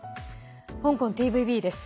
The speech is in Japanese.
香港ＴＶＢです。